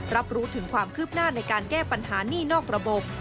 รับรู้ถึงความคืบหน้าในการแก้ปัญหานี่นอกระบบ